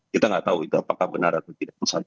kita nggak tahu itu apakah benar atau tidak